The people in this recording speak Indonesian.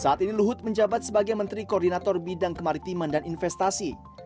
saat ini luhut menjabat sebagai menteri koordinator bidang kemaritiman dan investasi